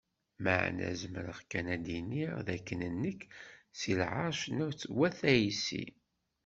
Meεna zemreɣ kan ad d-iniɣ d akken nekk si Lεerc n Wat Ɛisi.